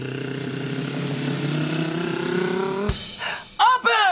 オープン。